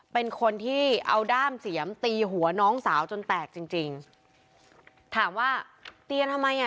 เป็นคนที่เอาด้ามเสียมตีหัวน้องสาวจนแตกจริงจริงถามว่าเตียนทำไมอ่ะ